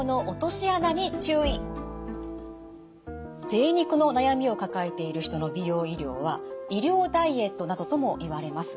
ぜい肉の悩みを抱えている人の美容医療は医療ダイエットなどともいわれます。